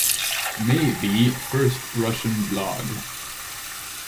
May be first Russian blog.